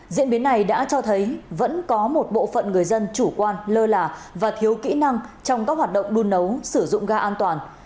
diễn biến này đã cho thấy vẫn có một bộ phận người dân chủ quan lơ là và thiếu kỹ năng trong các hoạt động đun nấu sử dụng ga an toàn